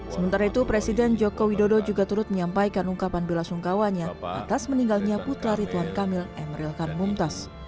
sementara itu presiden joko widodo juga turut menyampaikan ungkapan belasungkawanya atas meninggalnya putlari tuan kamil emeril kan bumtas